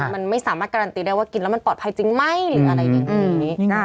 มันไม่สามารถการันตีได้ว่ากินแล้วมันปลอดภัยจริงไหมหรืออะไรอย่างนี้